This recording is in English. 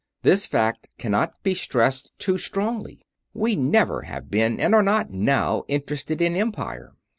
This fact cannot be stressed too strongly. We never have been and are not now interested in Empire.